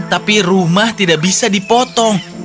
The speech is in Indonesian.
tapi rumah tidak bisa dipotong